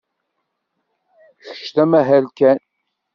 Kečč d amahal kan.